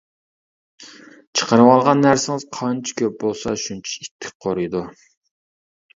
چىقىرىۋالغان نەرسىڭىز قانچە كۆپ بولسا شۇنچە ئىتتىك قۇرۇيدۇ.